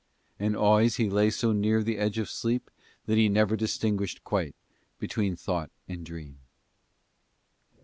And always he lay so near the edge of sleep that he never distinguished quite between thought and dream.